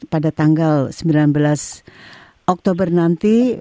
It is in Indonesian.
pada tanggal sembilan belas oktober nanti